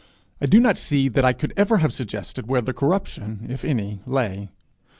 I do not see that I could ever have suggested where the corruption, if any, lay.